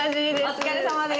お疲れさまです。